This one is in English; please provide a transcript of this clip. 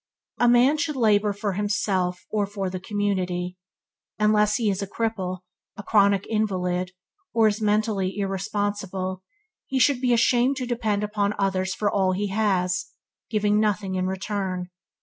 A man should labour for himself or for the community. Unless he is a cripple, a chronic invalid, or is mentally irresponsible, he should be ashamed to depend upon others for all he has, giving nothing in return.